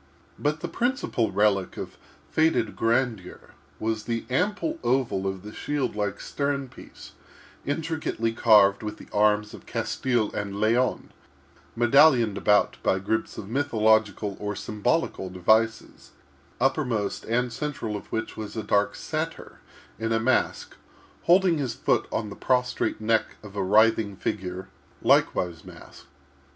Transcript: But the principal relic of faded grandeur was the ample oval of the shield like stern piece, intricately carved with the arms of Castile and Leon, medallioned about by groups of mythological or symbolical devices; uppermost and central of which was a dark satyr in a mask, holding his foot on the prostrate neck of a writhing figure, likewise masked.